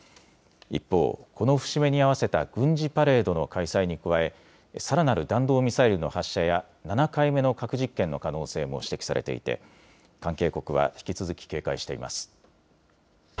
一方、この節目に合わせた軍事パレードの開催に加えさらなる弾道ミサイルの発射や７回目の核実験の可能性も指摘されていて関係国は引き続き警戒しています。